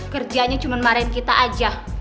kerjanya cuma marahin kita aja